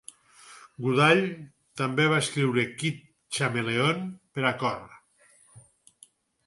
Goodall també va escriure Kid Chameleon per a Cor!!